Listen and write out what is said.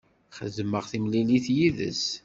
Xedmeɣ timlilit yid-s.